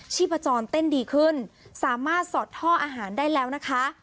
ชีพจรเต้นดีขึ้นสามารถสอดท่ออาหารได้แล้วนะคะ